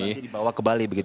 berarti dibawa ke bali begitu